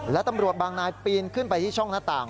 และตำรวจบางนายปีนขึ้นไปที่ช่องหน้าต่าง